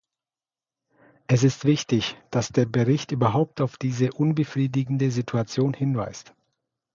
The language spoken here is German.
Es ist wichtig, dass der Bericht überhaupt auf diese unbefriedigende Situation hinweist.